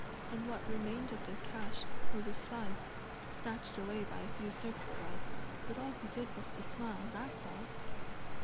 and what remained of the cash were besides snatched away by a few servant girls, but all he did was to smile, that's all!"